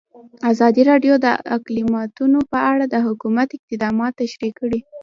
ازادي راډیو د اقلیتونه په اړه د حکومت اقدامات تشریح کړي.